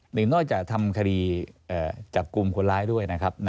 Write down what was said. หนึ่งนอกจากทำคดีจับกลุ่มคนร้ายด้วยนะครับ